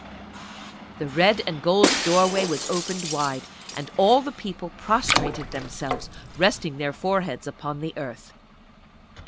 The red and gold doorway was opened wide, and all the people prostrated themselves, resting their foreheads upon the earth.